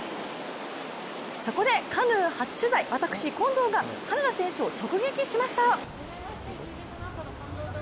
そこでカヌー初取材、私、近藤が羽根田選手を直撃しました。